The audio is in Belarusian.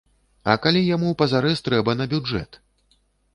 А калі яму пазарэз трэба на бюджэт?